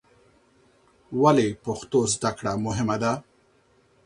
ولې پښتو زده کړه مهمه ده؟